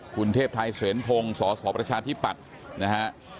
กุลเทพฐัยเซี่ยนพงค์สศพทิปัตก์